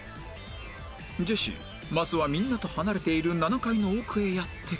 ジェシーまずはみんなと離れている７階の奥へやって来たが